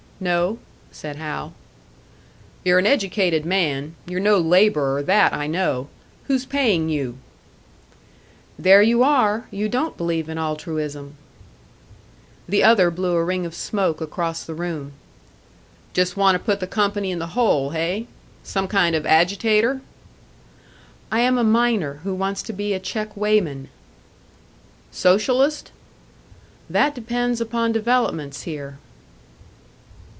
"No," said Hal. "You're an educated man; you're no labourer, that I know. Who's paying you?" "There you are! You don't believe in altruism." The other blew a ring of smoke across the room. "Just want to put the company in the hole, hey? Some kind of agitator?" "I am a miner who wants to be a check weighman." "Socialist?" "That depends upon developments here."